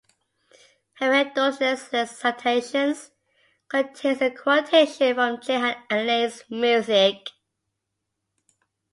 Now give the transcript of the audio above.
Henri Dutilleux's "Les citations" contains a quotation from Jehan Alain's music.